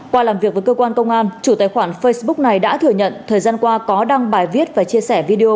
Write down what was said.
qua làm việc với cơ quan công an chủ tài khoản facebook này đã thừa nhận thời gian qua có đăng bài viết và chia sẻ video